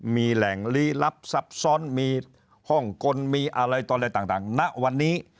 มีแหล่งลี้ลับซับซ้อนมีฮ่องกลมีอะไรต่ออะไรต่างณวันนี้